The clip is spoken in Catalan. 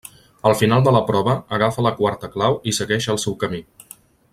Al final de la prova agafa la quarta clau i segueix el seu camí.